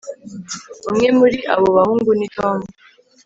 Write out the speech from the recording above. umwe muri abo bahungu ni tom